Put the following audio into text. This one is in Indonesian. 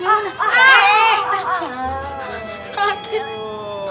aduh aduh aduh aduh